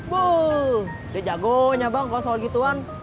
buuh dia jagonya bang kalau soal gituan